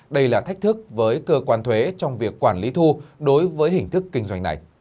đây là thách thức với cơ quan thuế trong việc quản lý thu đối với hình thức kinh doanh này